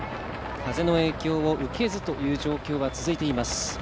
風の影響を受けずという状況が続いています。